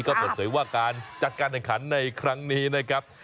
ก็เปิดเผยว่าการจัดการแข่งขันในครั้งนี้นะครับ